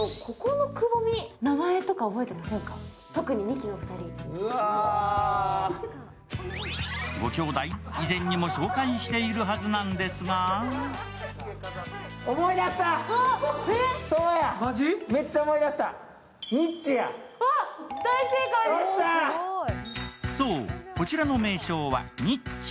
キュルキュルご兄弟、以前にも紹介しているはずなんですがそう、こちらの名称はニッチ。